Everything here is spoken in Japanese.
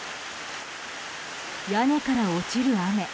屋根から落ちる雨。